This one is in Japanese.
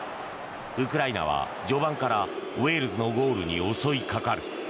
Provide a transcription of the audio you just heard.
ウクライナは序盤からウェールズのゴールに襲いかかる。